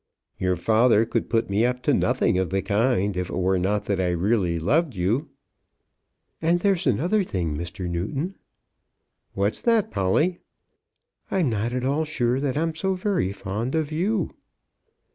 "Your father could put me up to nothing of the kind if it were not that I really loved you." "And there's another thing, Mr. Newton." "What's that, Polly?" "I'm not at all sure that I'm so very fond of you."